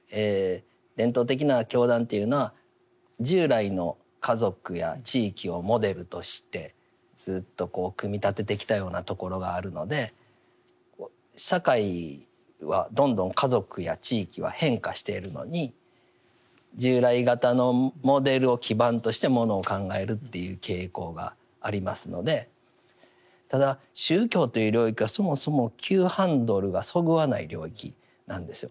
伝統的な教団というのは従来の家族や地域をモデルとしてずっと組み立ててきたようなところがあるので社会はどんどん家族や地域は変化しているのに従来型のモデルを基盤としてものを考えるという傾向がありますのでただ宗教という領域はそもそも急ハンドルがそぐわない領域なんですよ。